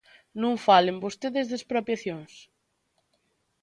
Non falen vostedes de expropiacións.